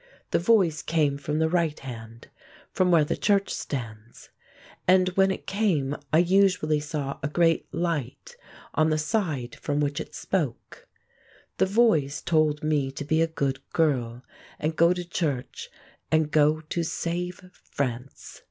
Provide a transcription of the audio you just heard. The Voice came from the right hand, from where the church stands, and when it came I usually saw a great light on the side from which it spoke. The Voice told me to be a good girl and go to church and go to save France.